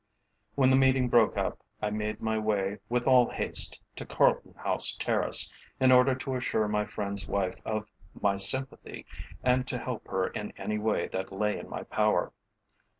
When the meeting broke up I made my way with all haste to Carlton House Terrace, in order to assure my friend's wife of my sympathy, and to help her in any way that lay in my power.